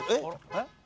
えっ？